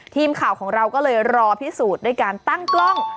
ทีมข่าวของเราก็เลยรอพิสูจน์ด้วยการตั้งกล้อง